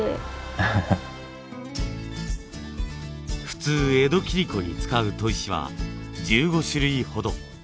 普通江戸切子に使う砥石は１５種類ほど。